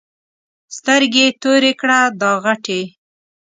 سترګې تورې کړه دا غټې.